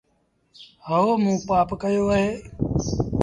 هئو موݩ پآپ ڪيو اهي۔